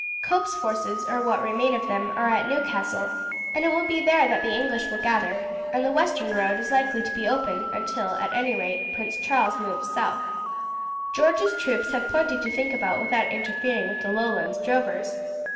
Cope's forces, or what remain of them, are at Newcastle, and it will be there that the English will gather, and the western road is likely to be open until, at any rate, Prince Charles moves south. George's troops have plenty to think about without interfering with the Lowlands drovers.